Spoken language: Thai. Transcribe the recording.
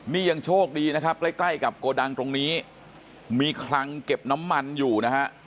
นี่ยังโชคดีนะครับใกล้ใกล้กับโกดังตรงนี้มีคลังเก็บน้ำมันอยู่นะฮะ